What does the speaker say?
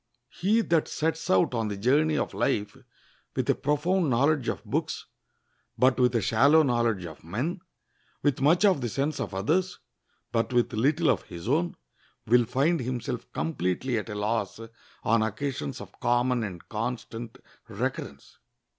He that sets out on the journey of life with a profound knowledge of books, but with a shallow knowledge of men, with much of the sense of others, but with little of his own, will find himself completely at a loss on occasions of common and constant recurrence.